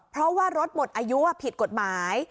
เพราะว่ารถหมดอายุผิดกฎหมาย